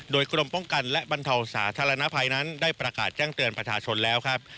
โดยกรมป้องกันและบรรเทาสาธารณภัยนั้นได้ประกาศแจ้งเตือนประชาชนแล้วครับ